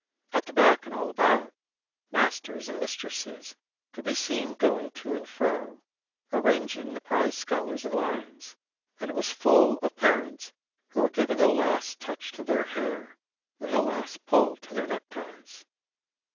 At the back and all about, masters and mistresses could be seen going to and fro, arranging the prize scholars in lines; and it was full of parents who were giving a last touch to their hair and the last pull to their neck ties.